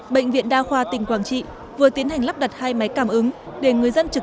bệnh viện đa khoa tỉnh quảng trị vừa tiến hành lắp đặt hai máy cảm ứng để người dân trực